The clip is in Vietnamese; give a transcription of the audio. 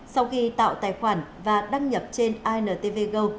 sau khi tạo tài khoản và đăng nhập trên intv go